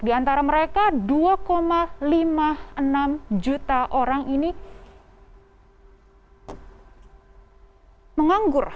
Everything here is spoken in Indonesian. di antara mereka dua lima puluh enam juta orang ini menganggur